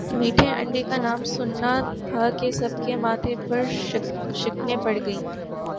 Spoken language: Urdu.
میٹھے انڈے کا نام سننا تھا کہ سب کے ماتھے پر شکنیں پڑ گئی